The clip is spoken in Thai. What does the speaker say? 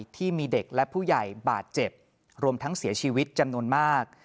ที่มีเด็กและผู้ใหญ่บาดเจ็บรวมทั้งเสียชีวิตจำนวนมาก